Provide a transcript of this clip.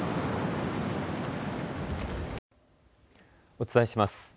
お伝えします。